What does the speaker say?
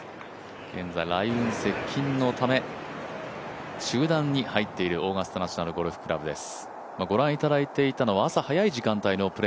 現在雷雲接近のため中断に入っているオーガスタ・ナショナル・ゴルフクラブです。